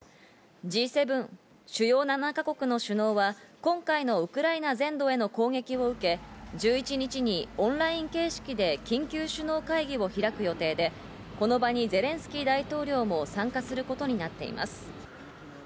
Ｇ７＝主要７か国の首脳は今回のウクライナ全土への攻撃を受け、１１日にオンライン形式で緊急首脳会議を開く予定で、この場にゼレンスキー大統領も参加することになっています。